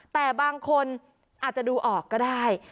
แต่บางคนอาจจะดูออกก็ได้